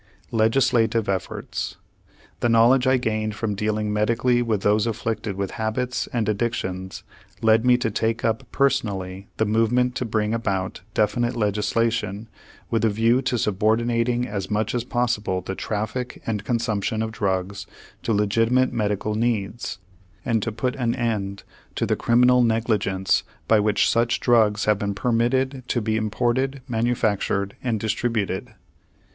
LEGISLATIVE EFFORTS The knowledge I gained from dealing medically with those afflicted with habits and addictions led me to take up personally the movement to bring about definite legislation with a view to subordinating as much as possible the traffic and consumption of drugs to legitimate medical needs; and to put an end to the criminal negligence by which such drugs have been permitted to be imported, manufactured, and distributed.